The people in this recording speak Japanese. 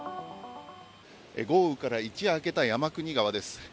豪雨から一夜明けた山国川です。